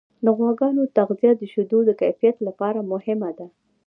د غواګانو تغذیه د شیدو د کیفیت لپاره مهمه ده.